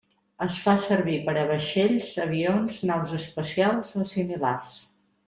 Es fa servir per a vaixells, avions, naus espacials o similars.